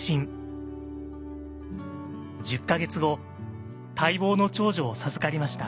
１０か月後待望の長女を授かりました。